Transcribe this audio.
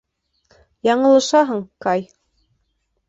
Яңылышаһың, Кай.